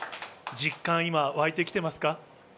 実感、湧いてきていますか？